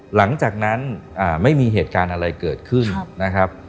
หลังจากนั้นไม่มีเหตุการณ์อะไรเกิดขึ้นนะครับ